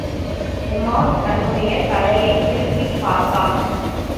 உமார் தன்னுடைய தலையைத் திருப்பிப் பார்த்தான்.